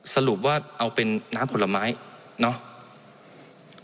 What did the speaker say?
สรุปว่าเอาเป็นน้ำผลไม้เนาะ